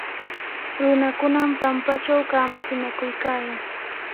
runakunam pampachaw kamatsinakuykayan.